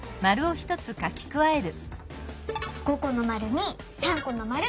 ５このまるに３このまる！